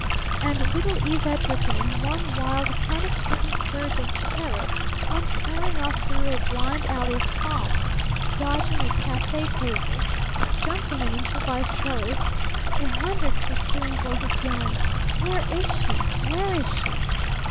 And little Eve Edgarton in one wild panic stricken surge of terror went tearing off through a blind alley of palms, dodging a cafe table, jumping an improvised trellis a hundred pursuing voices yelling: "Where is she? Where is she?"